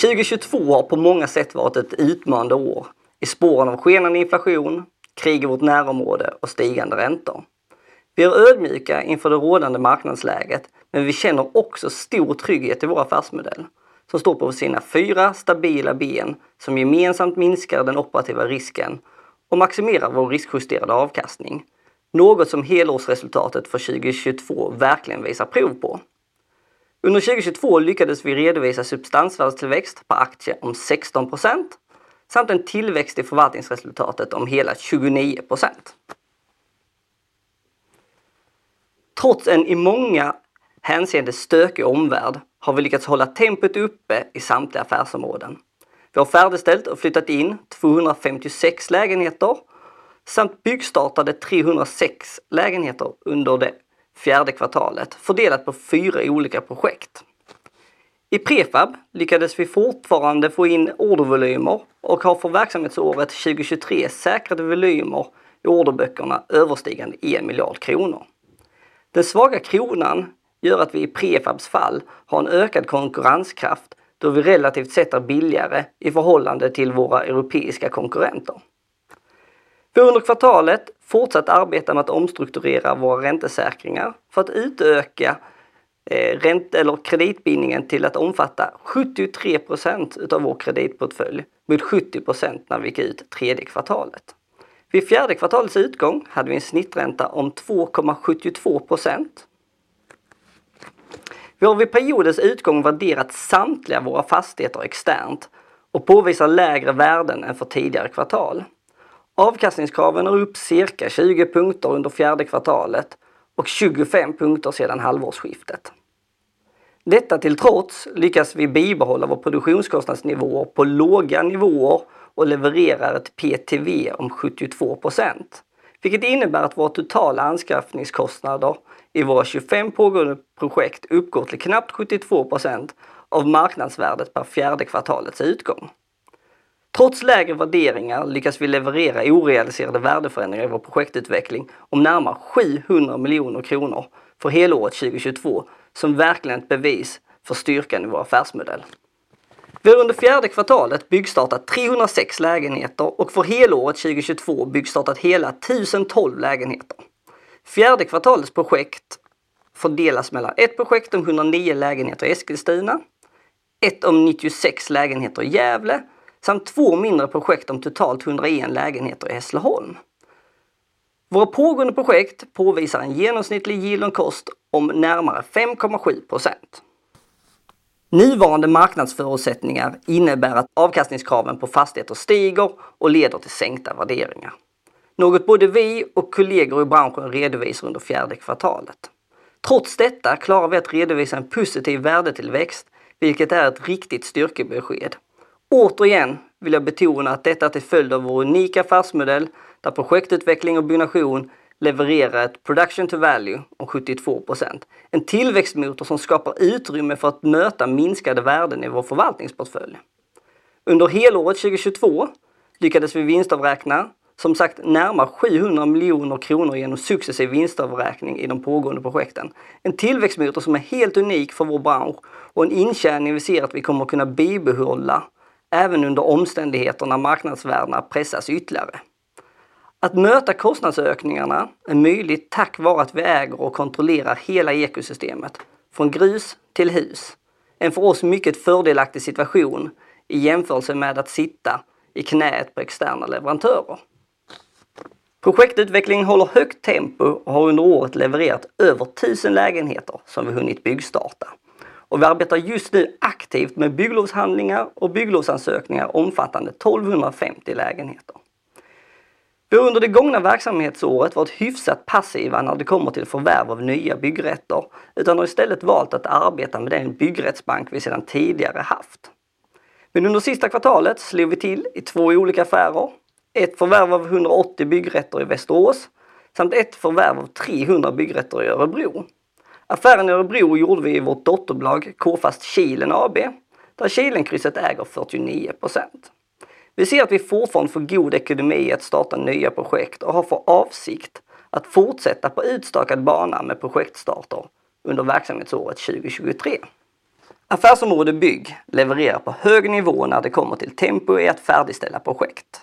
2022 har på många sätt varit ett utmanande år. I spåren av skenande inflation, krig i vårt närområde och stigande räntor. Vi är ödmjuka inför det rådande marknadsläget, men vi känner också stor trygghet i vår affärsmodell. Som står på sina 4 stabila ben som gemensamt minskar den operativa risken och maximerar vår riskjusterade avkastning. Något som helårsresultatet för 2022 verkligen visar prov på. Under 2022 lyckades vi redovisa substansvärdetillväxt på aktier om 16% samt en tillväxt i förvaltningsresultatet om hela 29%. Trots en i många hänseende stökig omvärld har vi lyckats hålla tempot uppe i samtliga affärsområden. Vi har färdigställt och flyttat in 256 lägenheter samt byggstartade 306 lägenheter under det fourth quarter fördelat på 4 olika projekt. I Prefab lyckades vi fortfarande få in ordervolymer och har för verksamhetsåret 2023 säkrade volymer i orderböckerna överstigande SEK 1 billion. Den svaga kronan gör att vi i K-Prefabs fall har en ökad konkurrenskraft, då vi relativt sett är billigare i förhållande till våra europeiska konkurrenter. Vi har under kvartalet fortsatt arbeta med att omstrukturera våra räntesäkringar för att utöka ränte- eller kreditbindningen till att omfatta 73% utav vår kreditportfölj mot 70% när vi gick ut third quarter. Vid fourth quarter's end hade vi en snittränta om 2.72%. Vi har vid periodens utgång värderat samtliga våra fastigheter externt och påvisar lägre värden än för tidigare kvartal. Avkastningskraven är upp cirka 20 points under fourth quarter och 25 points sedan halvårsskiftet. Detta till trots lyckas vi bibehålla vår produktionskostnadsnivå på låga nivåer och levererar ett PTV om 72%. Det innebär att vår totala anskaffningskostnader i våra 25 pågående projekt uppgår till knappt 72% av marknadsvärdet per fourth quarter's end. Trots lägre värderingar lyckas vi leverera orealiserade värdeförändringar i vår projektutveckling om närmare 700 million kronor för helåret 2022 som verkligt bevis för styrkan i vår affärsmodell. Vi har under fourth quarter byggstartat 306 lägenheter och för helåret 2022 byggstartat hela 1,012 lägenheter. Fourth quarter's projekt fördelas mellan ett projekt om 109 lägenheter i Eskilstuna, ett om 96 lägenheter i Gävle samt två mindre projekt om totalt 101 lägenheter i Hässleholm. Våra pågående projekt påvisar en genomsnittlig yield on cost om närmare 5.7%. Nuvarande marknadsförutsättningar innebär att avkastningskraven på fastigheter stiger och leder till sänkta värderingar. Något både vi och kollegor i branschen redovisar under fourth quarter. Trots detta klarar vi att redovisa en positiv värdetillväxt, vilket är ett riktigt styrkebesked. Återigen vill jag betona att detta till följd av vår unika affärsmodell där projektutveckling och byggnation levererar ett production to value om 72%. En tillväxtmotor som skapar utrymme för att möta minskade värden i vår förvaltningsportfölj. Under helåret 2022 lyckades vi vinstavräkna som sagt närmare 700 million kronor igenom successiv vinstavräkning i de pågående projekten. En tillväxtmotor som är helt unik för vår bransch och en intjäning vi ser att vi kommer kunna bibehålla även under omständigheter när marknadsvärdena pressas ytterligare. Att möta kostnadsökningarna är möjligt tack vare att vi äger och kontrollerar hela ekosystemet, från grus till hus. En för oss mycket fördelaktig situation i jämförelse med att sitta i knäet på externa leverantörer. Projektutvecklingen håller högt tempo och har under året levererat över 1,000 lägenheter som vi hunnit byggstarta. Vi arbetar just nu aktivt med bygglovshandlingar och bygglovsansökningar omfattande 1,250 lägenheter. Vi har under det gångna verksamhetsåret varit hyfsat passiva när det kommer till förvärv av nya byggrätter, utan har istället valt att arbeta med den byggrättsbank vi sedan tidigare haft. Under sista kvartalet slog vi till i two olika affärer. Ett förvärv av 180 byggrätter i Västerås samt ett förvärv av 300 byggrätter i Örebro. Affären i Örebro gjorde vi i vårt dotterbolag K-Fast Kilen AB, där Kilenkrysset äger 49%. Vi ser att vi fortfarande får god ekonomi att starta nya projekt och har för avsikt att fortsätta på utstakad bana med projektstarter under verksamhetsåret 2023. Affärsområde Bygg levererar på hög nivå när det kommer till tempo i att färdigställa projekt.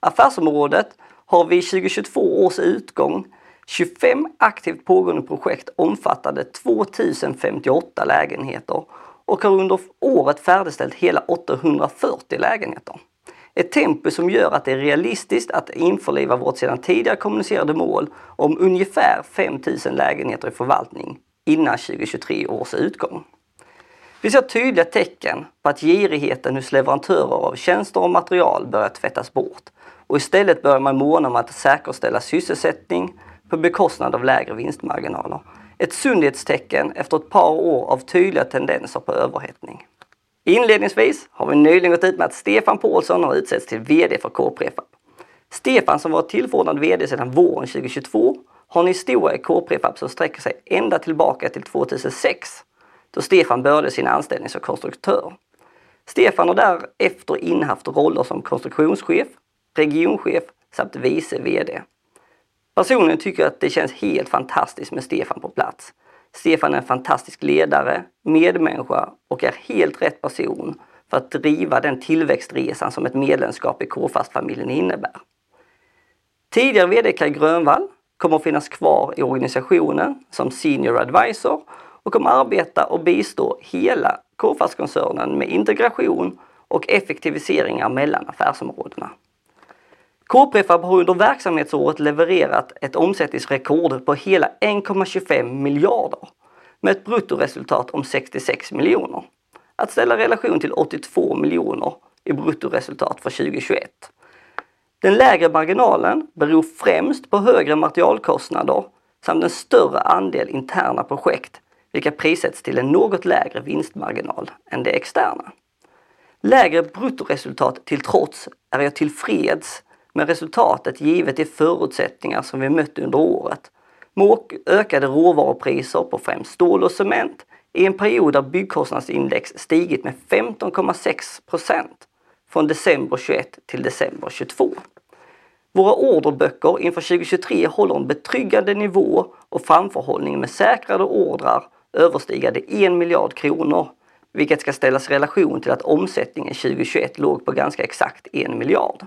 Affärsområdet har vi 2022 års utgång 25 aktivt pågående projekt omfattande 2,058 lägenheter och har under året färdigställt hela 840 lägenheter. Ett tempo som gör att det är realistiskt att införliva vårt sedan tidigare kommunicerade mål om ungefär 5,000 lägenheter i förvaltning innan 2023 års utgång. Vi ser tydliga tecken på att girigheten hos leverantörer av tjänster och material börjat tvättas bort och istället börjar man måna om att säkerställa sysselsättning på bekostnad av lägre vinstmarginaler. Ett sundhetstecken efter ett par år av tydliga tendenser på överhettning. Inledningsvis har vi nyligen gått ut med att Stefan Paulsson har utsetts till VD för K-Prefab. Stefan, som varit tillförordnad VD sedan våren 2022, har en historia i K-Prefab som sträcker sig ända tillbaka till 2006, då Stefan började sin anställning som konstruktör. Stefan har därefter innehaft roller som konstruktionschef, regionchef samt vice VD. Personligen tycker jag att det känns helt fantastiskt med Stefan på plats. Stefan är en fantastisk ledare, medmänniska och är helt rätt person för att driva den tillväxtresan som ett medlemskap i K-Fastfamiljen innebär. Tidigare VD Kaj Grönvall kommer att finnas kvar i organisationen som Senior Advisor och kommer arbeta och bistå hela K-Fastkoncernen med integration och effektiviseringar mellan affärsområdena. K-Prefab har under verksamhetsåret levererat ett omsättningsrekord på hela 1.25 billion med ett bruttoresultat om 66 million. Att ställa relation till 82 million i bruttoresultat för 2021. Den lägre marginalen beror främst på högre materialkostnader samt en större andel interna projekt, vilka prissätts till en något lägre vinstmarginal än det externa. Lägre bruttoresultat till trots är vi tillfreds med resultatet givet de förutsättningar som vi mött under året. Med ökade råvarupriser på främst stål och cement i en period där Byggkostnadsindex stigit med 15.6% från December 2021 till December 2022. Våra orderböcker inför 2023 håller en betryggande nivå. Framförhållning med säkrade ordrar överstiger 1 billion kronor, vilket ska ställas relation till att omsättningen 2021 låg på ganska exakt 1 billion.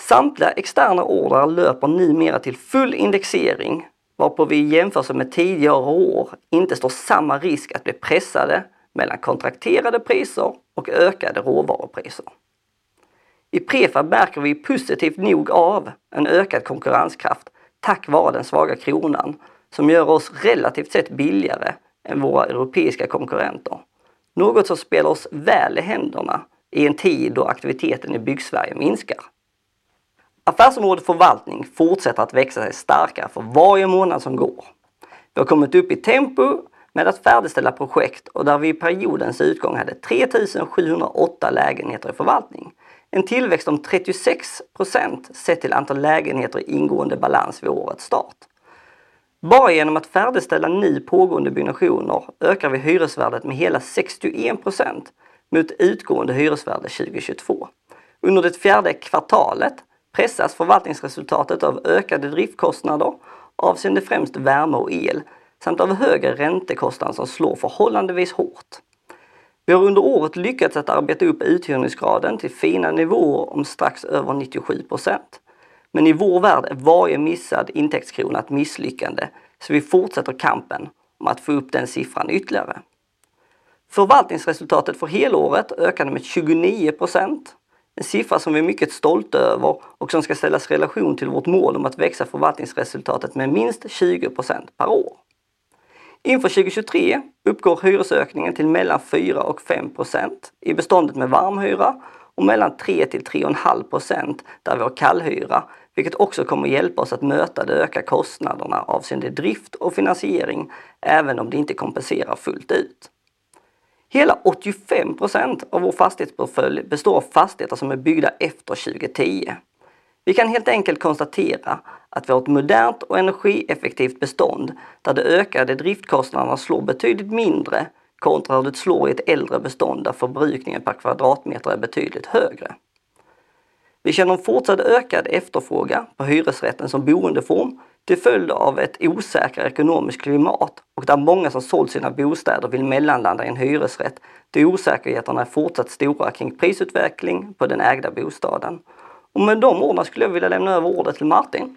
Samtliga externa ordrar löper numera till full indexering, varpå vi i jämförelse med tidigare år inte står samma risk att bli pressade mellan kontrakterade priser och ökade råvarupriser. I K-Prefab märker vi positivt nog av en ökad konkurrenskraft tack vare den svaga kronan som gör oss relativt sett billigare än våra europeiska konkurrenter. Något som spelar oss väl i händerna i en tid då aktiviteten i Byggsverige minskar. Affärsområdet förvaltning fortsätter att växa sig starkare för varje månad som går. Vi har kommit upp i tempo med att färdigställa projekt. Där vi periodens utgång hade 3,708 lägenheter i förvaltning. En tillväxt om 36% sett till antal lägenheter i ingående balans vid årets start. Bara igenom att färdigställa nu pågående byggnationer ökar vi hyresvärdet med hela 61% mot utgående hyresvärde 2022. Under det fjärde kvartalet pressas förvaltningsresultatet av ökade driftkostnader avseende främst värme och el samt av högre räntekostnad som slår förhållandevis hårt. Vi har under året lyckats att arbeta upp uthyrningsgraden till fina nivåer om strax över 97%. I vår värld är varje missad intäktskrona ett misslyckande, så vi fortsätter kampen om att få upp den siffran ytterligare. Förvaltningsresultatet för helåret ökade med 29%, en siffra som vi är mycket stolta över och som ska ställas relation till vårt mål om att växa förvaltningsresultatet med minst 20% per år. Inför 2023 uppgår hyresökningen till mellan 4%-5% i beståndet med varmhyra och mellan 3%-3.5% där vi har kallhyra, vilket också kommer hjälpa oss att möta de ökade kostnaderna avseende drift och finansiering, även om det inte kompenserar fullt ut. Hela 85% av vår fastighetsportfölj består av fastigheter som är byggda efter 2010. Vi kan helt enkelt konstatera att vi har ett modernt och energieffektivt bestånd där de ökade driftkostnaderna slår betydligt mindre kontra hur det slår i ett äldre bestånd där förbrukningen per kvadratmeter är betydligt högre. Vi känner en fortsatt ökad efterfrågan på hyresrätten som boendeform till följd av ett osäkrare ekonomiskt klimat och där många som sålt sina bostäder vill mellanlanda i en hyresrätt då osäkerheterna är fortsatt stora kring prisutveckling på den ägda bostaden. Med de orden skulle jag vilja lämna över ordet till Martin.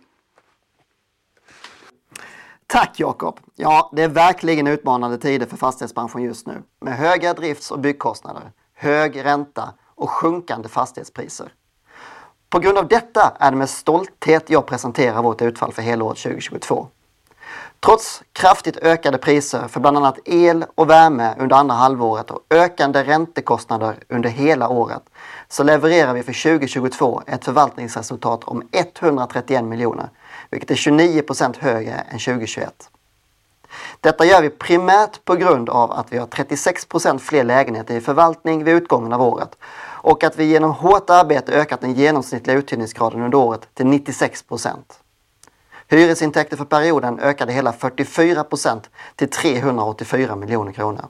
Det är verkligen utmanande tider för fastighetsbranschen just nu. Med höga drifts- och byggkostnader, hög ränta och sjunkande fastighetspriser. På grund av detta är det med stolthet jag presenterar vårt utfall för helåret 2022. Trots kraftigt ökade priser för bland annat el och värme under andra halvåret och ökande räntekostnader under hela året, levererar vi för 2022 ett förvaltningsresultat om 131 million, vilket är 29% högre än 2021. Detta gör vi primärt på grund av att vi har 36% fler lägenheter i förvaltning vid utgången av året och att vi igenom hårt arbete ökat den genomsnittliga uthyrningsgraden under året till 96%. Hyresintäkter för perioden ökade hela 44% till 384 million kronor.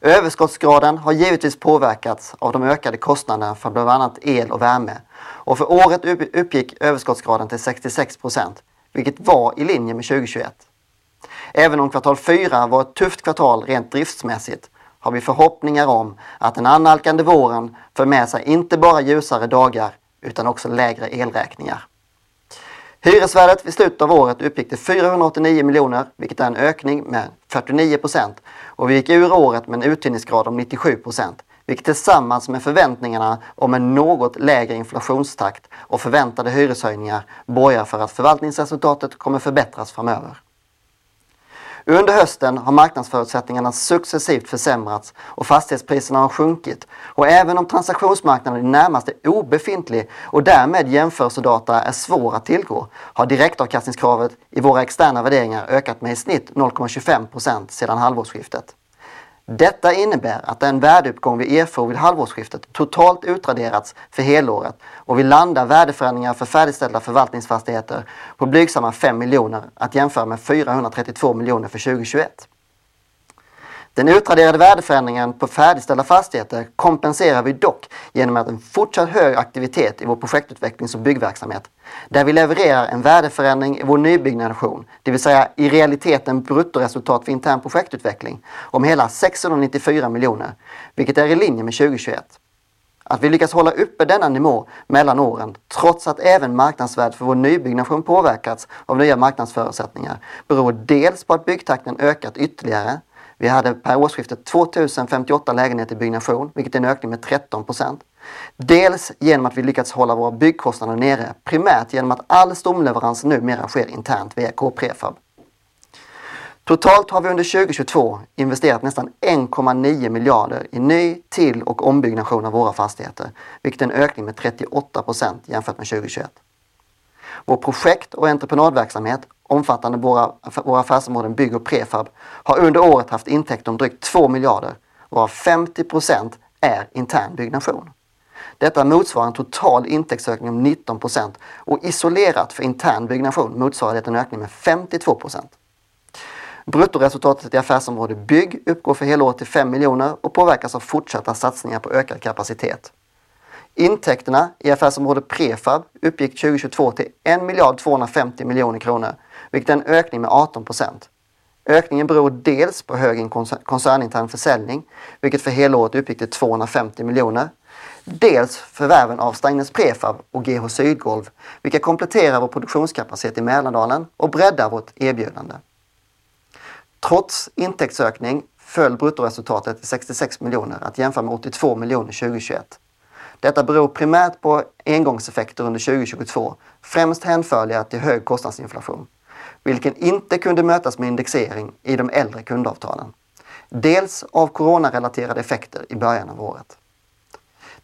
Överskottsgraden har givetvis påverkats av de ökade kostnaderna för bland annat el och värme. För året uppgick Överskottsgraden till 66%, vilket var i linje med 2021. Även om kvartal 4 var ett tufft kvartal rent driftsmässigt, har vi förhoppningar om att den annalkande våren för med sig inte bara ljusare dagar, utan också lägre elräkningar. Hyresvärdet vid slutet av året uppgick till 489 million, vilket är en ökning med 49%. Vi gick ur året med en uthyrningsgrad om 97%, vilket tillsammans med förväntningarna om en något lägre inflationstakt och förväntade hyreshöjningar borgar för att förvaltningsresultatet kommer förbättras framöver. Under hösten har marknadsförutsättningarna successivt försämrats och fastighetspriserna har sjunkit. Även om transaktionsmarknaden i det närmaste obefintlig och därmed jämförelsedata är svår att tillgå, har direktavkastningskravet i våra externa värderingar ökat med i snitt 0.25% sedan halvårsskiftet. Detta innebär att den värdeuppgång vi erfor vid halvårsskiftet totalt utraderats för helåret och vi landar värdeförändringar för färdigställda förvaltningsfastigheter på blygsamma 5 million att jämföra med 432 million för 2021. Den utraderade värdeförändringen på färdigställda fastigheter kompenserar vi dock genom att en fortsatt hög aktivitet i vår projektutvecklings- och byggverksamhet, där vi levererar en värdeförändring i vår nybyggnation, det vill säga i realiteten bruttoresultat för intern projektutveckling, om hela 694 million, vilket är i linje med 2021. Att vi lyckas hålla uppe denna nivå mellan åren, trots att även marknadsvärde för vår nybyggnation påverkats av nya marknadsförutsättningar, beror dels på att byggtakten ökat ytterligare. Vi hade per årsskiftet 2,058 lägenheter i byggnation, vilket är en ökning med 13%. Dels igenom att vi lyckats hålla våra byggkostnader nere, primärt igenom att all stomleverans numera sker internt via K-Prefab. Totalt har vi under 2022 investerat nästan 1.9 billion i ny till och ombyggnation av våra fastigheter, vilket är en ökning med 38% jämfört med 2021. Vår projekt och entreprenadverksamhet omfattande våra affärsområden Bygg och Prefab har under året haft intäkt om drygt 2 billion, varav 50% är intern byggnation. Detta motsvarar en total intäktsökning om 19% och isolerat för intern byggnation motsvarar detta en ökning med 52%. Bruttoresultatet i affärsområdet Bygg uppgår för helåret till 5 million och påverkas av fortsatta satsningar på ökad kapacitet. Intäkterna i affärsområdet Prefab uppgick 2022 till 1.25 billion kronor, vilket är en ökning med 18%. Ökningen beror dels på hög intern koncernintern försäljning, vilket för helåret uppgick till 250 million, dels förvärven av Strängnäs Prefab och GH Sydgolv, vilka kompletterar vår produktionskapacitet i Mälardalen och breddar vårt erbjudande. Trots intäktsökning föll bruttoresultatet 66 million att jämföra med 82 million 2021. Detta beror primärt på engångseffekter under 2022, främst hänförliga till hög kostnadsinflation, vilken inte kunde mötas med indexering i de äldre kundavtalen. Dels av coronarelaterade effekter i början av året.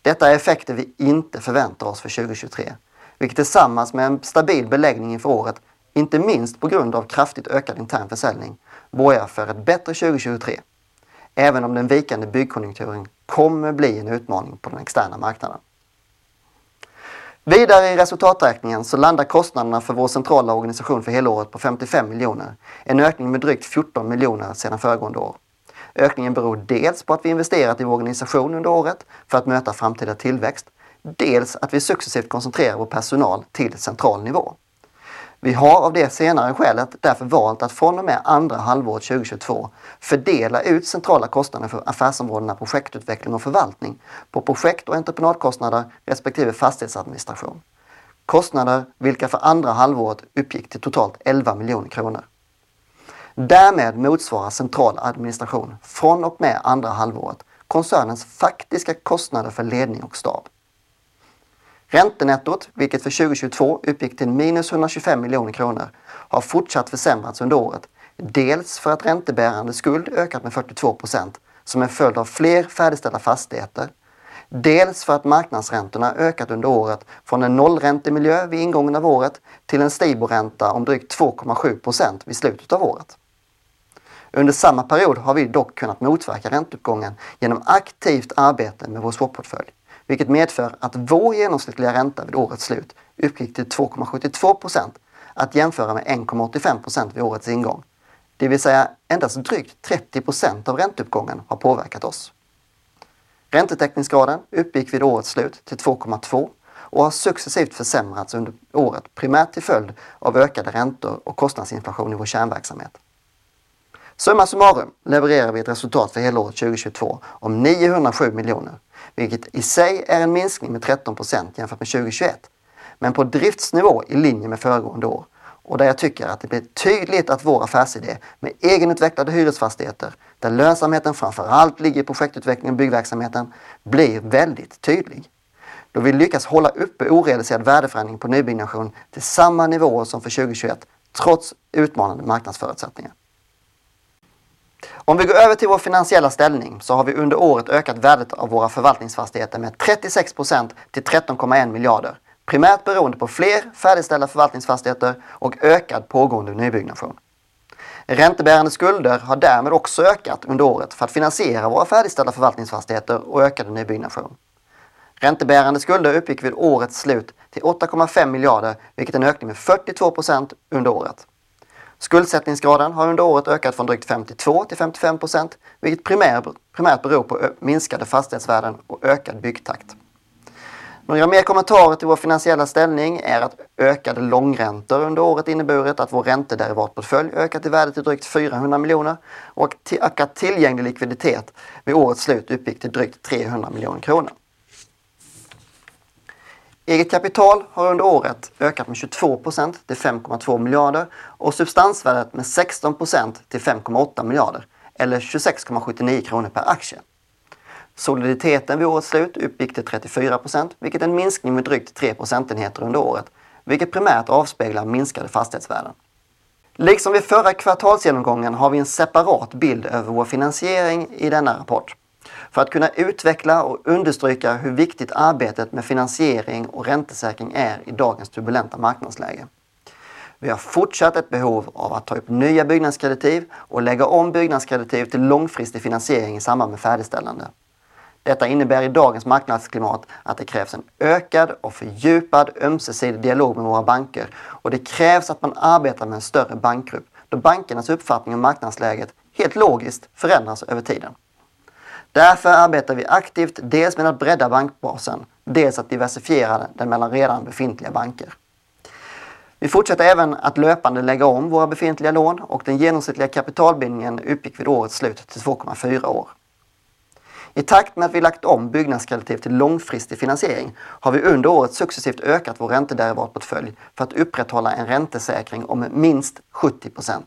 Detta är effekter vi inte förväntar oss för 2023, vilket tillsammans med en stabil beläggning inför året, inte minst på grund av kraftigt ökad intern försäljning, borgar för ett bättre 2023. Även om den vikande byggkonjunkturen kommer bli en utmaning på den externa marknaden. Vidare i resultaträkningen så landar kostnaderna för vår centrala organisation för helåret på 55 million, en ökning med drygt 14 million sedan föregående år. Ökningen beror dels på att vi investerat i vår organisation under året för att möta framtida tillväxt, dels att vi successivt koncentrerar vår personal till central nivå. Vi har av det senare skälet därför valt att från och med andra halvåret 2022 fördela ut centrala kostnader för affärsområdena projektutveckling och förvaltning på projekt och entreprenadkostnader, respektive fastighetsadministration. Kostnader vilka för andra halvåret uppgick till totalt 11 million kronor. Därmed motsvarar central administration från och med andra halvåret koncernens faktiska kostnader för ledning och stab. Räntenettot, vilket för 2022 uppgick till -125 million kronor, har fortsatt försämrats under året. Dels för att räntebärande skuld ökat med 42% som en följd av fler färdigställda fastigheter, dels för att marknadsräntorna ökat under året från en nollräntemiljö vid ingången av året till en STIBOR-ränta om drygt 2.7% vid slutet av året. Under samma period har vi dock kunnat motverka ränteuppgången igenom aktivt arbete med vår swap-portfölj, vilket medför att vår genomsnittliga ränta vid årets slut uppgick till 2.72%, att jämföra med 1.85% vid årets ingång. Det vill säga, endast drygt 30% av ränteuppgången har påverkat oss. Räntetäckningsgraden uppgick vid årets slut till 2.2 och har successivt försämrats under året, primärt till följd av ökade räntor och kostnadsinflation i vår kärnverksamhet. Summa summarum levererar vi ett resultat för helåret 2022 om 907 million, vilket i sig är en minskning med 13% jämfört med 2021, men på driftsnivå i linje med föregående år. Där jag tycker att det blir tydligt att vår affärsidé med egenutvecklade hyresfastigheter där lönsamheten framför allt ligger i projektutvecklingen och byggverksamheten blir väldigt tydlig. Då vi lyckas hålla uppe orealiserad värdeförändring på nybyggnation till samma nivåer som för 2021 trots utmanande marknadsförutsättningar. Vi går över till vår finansiella ställning så har vi under året ökat värdet av våra förvaltningsfastigheter med 36% till 13.1 billion, primärt beroende på fler färdigställda förvaltningsfastigheter och ökad pågående nybyggnation. Räntebärande skulder har därmed också ökat under året för att finansiera våra färdigställda förvaltningsfastigheter och ökade nybyggnation. Räntebärande skulder uppgick vid årets slut till 8.5 billion, vilket är en ökning med 42% under året. skuldsättningsgraden har under året ökat från drygt 52%-55%, vilket primärt beror på minskade fastighetsvärden och ökad byggtakt. Några mer kommentarer till vår finansiella ställning är att ökade långräntor under året inneburit att vår räntederivatportfölj ökat i värdet till drygt 400 million och ökat tillgänglig likviditet vid årets slut uppgick till drygt 300 million kronor. Eget kapital har under året ökat med 22% till 5.2 billion och substansvärdet med 16% till 5.8 billion eller 26.79 kronor per aktie. soliditeten vid årets slut uppgick till 34%, vilket är en minskning med drygt 3 percentage points under året, vilket primärt avspeglar minskade fastighetsvärden. Liksom vid förra kvartalsgenomgången har vi en separat bild över vår finansiering i denna rapport. För att kunna utveckla och understryka hur viktigt arbetet med finansiering och räntesäkring är i dagens turbulenta marknadsläge. Vi har fortsatt ett behov av att ta upp nya byggnadskreditiv och lägga om byggnadskreditiv till långfristig finansiering i samband med färdigställande. Detta innebär i dagens marknadsklimat att det krävs en ökad och fördjupad ömsesidig dialog med våra banker och det krävs att man arbetar med en större bankgrupp. Då bankernas uppfattning om marknadsläget helt logiskt förändras över tiden. Därför arbetar vi aktivt dels med att bredda bankbasen, dels att diversifiera den mellan redan befintliga banker. Vi fortsätter även att löpande lägga om våra befintliga lån och den genomsnittliga kapitalbindningen uppgick vid årets slut till 2.4 år. I takt med att vi lagt om byggnadskreditiv till långfristig finansiering har vi under året successivt ökat vår räntederivatportfölj för att upprätthålla en räntesäkring om minst 70%.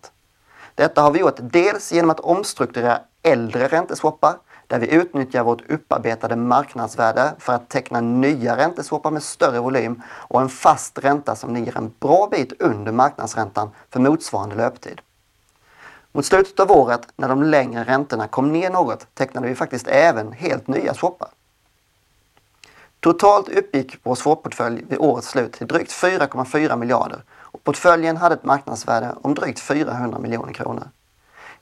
Detta har vi gjort dels igenom att omstrukturera äldre ränteswappar, där vi utnyttjar vårt upparbetade marknadsvärde för att teckna nya ränteswappar med större volym och en fast ränta som ligger en bra bit under marknadsräntan för motsvarande löptid. Mot slutet av året, när de längre räntorna kom ner något, tecknade vi faktiskt även helt nya swappar. Totalt uppgick vår swap-portfölj vid årets slut till drygt 4.4 billion och portföljen hade ett marknadsvärde om drygt 400 million kronor.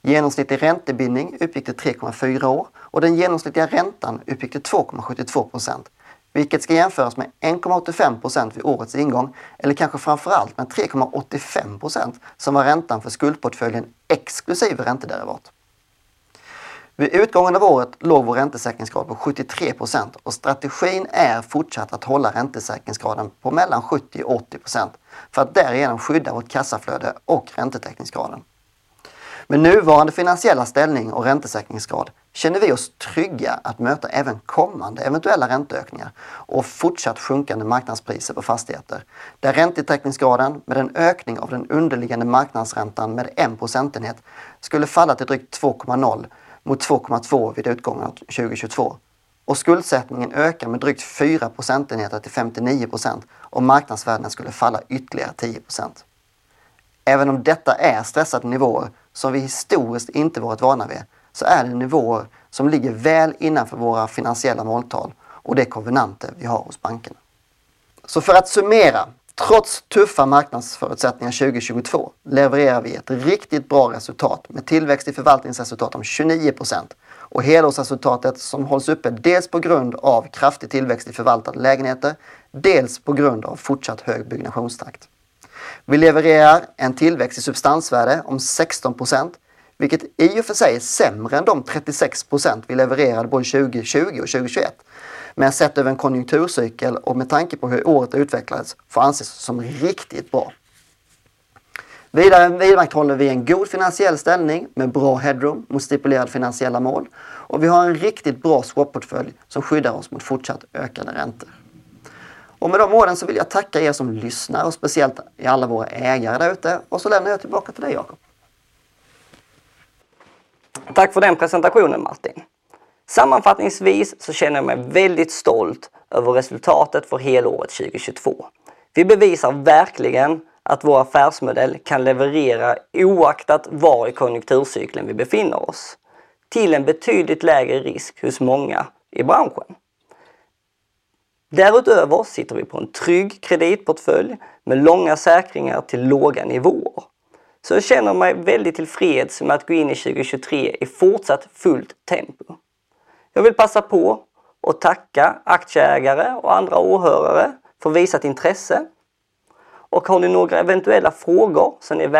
Genomsnittlig räntebindning uppgick till 3.4 years och den genomsnittliga räntan uppgick till 2.72%, vilket ska jämföras med 1.85% vid årets ingång. Kanske framför allt med 3.85% som var räntan för skuldportföljen exklusiv räntederivat. Vid utgången av året låg vår räntesäkringsgrad på 73% och strategin är fortsatt att hålla räntesäkringsgraden på mellan 70% och 80% för att därigenom skydda vårt kassaflöde och räntetäckningsgraden. Med nuvarande finansiella ställning och räntesäkringsgrad känner vi oss trygga att möta även kommande eventuella ränteökningar och fortsatt sjunkande marknadspriser på fastigheter. Där räntetäckningsgraden med en ökning av den underliggande marknadsräntan med 1 procentenhet skulle falla till drygt 2,0 mot 2,2 vid utgången av 2022. Skuldsättningen ökar med drygt 4 procentenheter till 59% om marknadsvärden skulle falla ytterligare 10%. Även om detta är stressade nivåer som vi historiskt inte varit vana vid, så är det nivåer som ligger väl innanför våra finansiella måltal och det konvenantet vi har hos banken. För att summera, trots tuffa marknadsförutsättningar 2022 levererar vi ett riktigt bra resultat med tillväxt i förvaltningsresultat om 29% och helårsresultatet som hålls uppe dels på grund av kraftig tillväxt i förvaltade lägenheter, dels på grund av fortsatt hög byggnationstakt. Vi levererar en tillväxt i substansvärde om 16%, vilket i och för sig är sämre än de 36% vi levererade både 2020 och 2021. Sett över en konjunkturcykel och med tanke på hur året har utvecklats får anses som riktigt bra. Vidare vidmakthåller vi en god finansiell ställning med bra headroom mot stipulerade finansiella mål. Vi har en riktigt bra swap-portfölj som skyddar oss mot fortsatt ökade räntor. Med de orden så vill jag tacka er som lyssnar och speciellt alla våra ägare där ute. Så lämnar jag tillbaka till dig, Jakob. Tack för den presentationen, Martin. Sammanfattningsvis känner jag mig väldigt stolt över resultatet för helåret 2022. Vi bevisar verkligen att vår affärsmodell kan leverera oaktat var i konjunkturcykeln vi befinner oss. Till en betydligt lägre risk hos många i branschen. Därutöver sitter vi på en trygg kreditportfölj med långa säkringar till låga nivåer. Jag känner mig väldigt tillfreds med att gå in i 2023 i fortsatt fullt tempo. Jag vill passa på att tacka aktieägare och andra åhörare för visat intresse. Har ni några eventuella frågor.